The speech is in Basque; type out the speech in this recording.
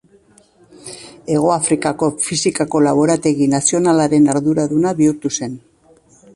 Hegoafrikako Fisikako Laborategi Nazionalaren arduraduna bihurtu zen.